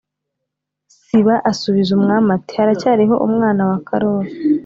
Siba asubiza umwami ati Haracyariho umwana wa karori